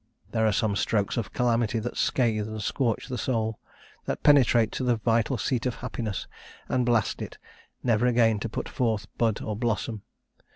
There are some strokes of calamity that scathe and scorch the soul that penetrate to the vital seat of happiness and blast it, never again to put forth bud or blossom.